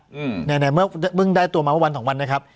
อืมในในเมื่อเพิ่งได้ตัวมาเมื่อวันสองวันนะครับ